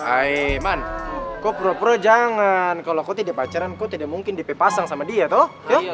aiman kok pro pro jangan kalo kok tidak pacaran kok tidak mungkin dipepasang sama dia tuh